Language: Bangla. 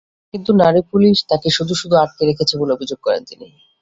কিন্তু নারী পুলিশ তাঁকে শুধু শুধু আটকে রেখেছে বলে অভিযোগ করেন তিনি।